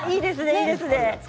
いいですね。